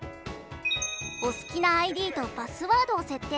お好きなＩＤとパスワードを設定。